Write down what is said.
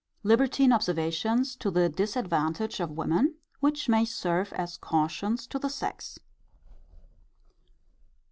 Libertine observations to the disadvantage of women; which may serve as cautions to the sex.